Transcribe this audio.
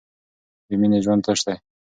بې مینې ژوند تش دی.